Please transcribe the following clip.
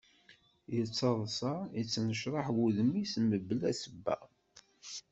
Yettaḍsa, yettnecraḥ wudem-is mebla sebba.